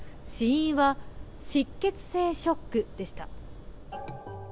死因は失血性ショックでした。